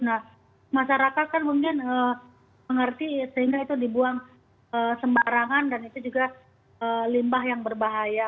nah masyarakat kan mungkin mengerti sehingga itu dibuang sembarangan dan itu juga limbah yang berbahaya